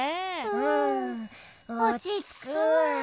うんおちつくわ。